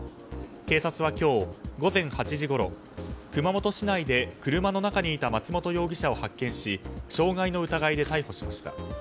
警察は、今日午前８時ごろ熊本市内で車の中にいた松本容疑者を発見し傷害の疑いで逮捕しました。